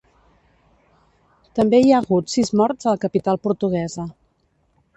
També hi ha hagut sis morts a la capital portuguesa.